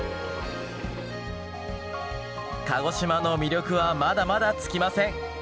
鹿児島の魅力はまだまだ尽きません。